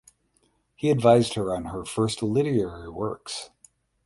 He advised her on her first literary works.